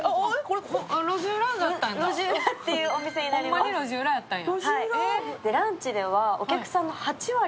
ホンマに路地裏やったんや。